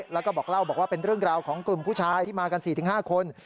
แล้วก็บอกเล่าบอกว่าเป็นเรื่องราวของกลุ่มผู้ชายที่มากัน๔๕คน